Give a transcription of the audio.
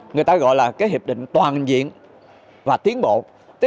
người ta gọi là cái hiệp định toàn diện và tiến bộ